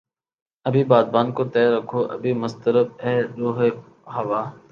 ابھی بادبان کو تہ رکھو ابھی مضطرب ہے رخ ہوا